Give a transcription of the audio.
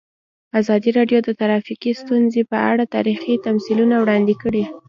ازادي راډیو د ټرافیکي ستونزې په اړه تاریخي تمثیلونه وړاندې کړي.